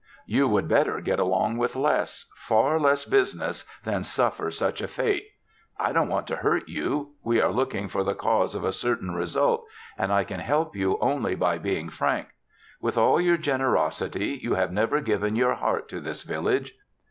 You would better get along with less far less business than suffer such a fate. I don't want to hurt you. We are looking for the cause of a certain result and I can help you only by being frank. With all your generosity you have never given your heart to this village.